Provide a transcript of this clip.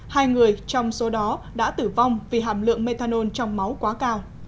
hai người trong số đó đã tử vong vì hàm lượng methanol trong máu quá cao